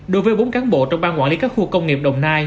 đối với bốn cán bộ trong ban quản lý các khu công nghiệp đồng nai